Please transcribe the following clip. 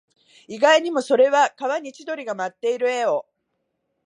意外にも、それは川に千鳥が舞っている絵を